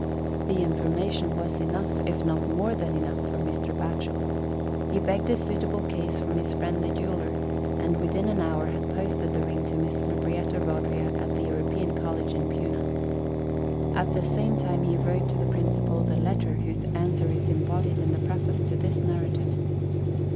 The information was enough, if not more than enough, for Mr. Batchel. He begged a suitable case from his friend the jeweller, and within an hour had posted the ring to Miss Lub]?ietta Eodria at the European College in Puna. At the same time he wrote to the Principal the letter whose answer is embodied in the preface to this narrative.